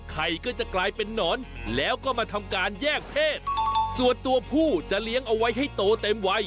ไข่ก็จะกลายเป็นนอนแล้วก็มาทำการแยกเพศส่วนตัวผู้จะเลี้ยงเอาไว้ให้โตเต็มวัย